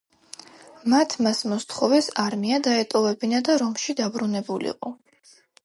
მათ მას მოსთხოვეს არმია დაეტოვებინა და რომში დაბრუნებულიყო.